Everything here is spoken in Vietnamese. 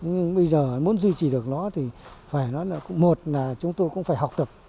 nhưng bây giờ muốn duy trì được nó thì phải nói là cũng một là chúng tôi cũng phải học tập